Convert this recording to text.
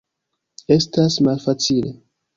Estas malfacile.